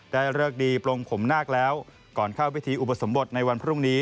เลิกดีปลงผมนาคแล้วก่อนเข้าพิธีอุปสมบทในวันพรุ่งนี้